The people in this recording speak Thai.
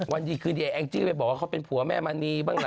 วันดีคืนดีไอแองจี้ไปบอกว่าเขาเป็นผัวแม่มณีบ้างล่ะ